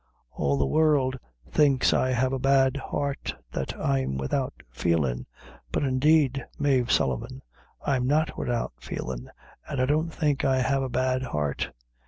All the world thinks I have a bad heart that I'm without feelin'; but, indeed, Mave Sullivan, I'm not without feelin', an' I don't think I have a bad heart."